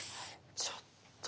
ちょっと。